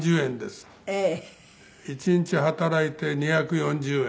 １日働いて２４０円。